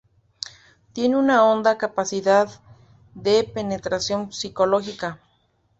Tiene una honda capacidad de penetración psicológica.